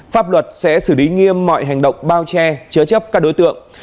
pháp luật sẽ xử lý nghiêm mọi hành động bao che chứa chấp các đối tượng